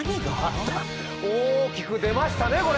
また大きく出ましたねこれ。